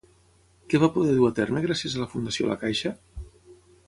Què va poder dur a terme gràcies a la Fundació la Caixa?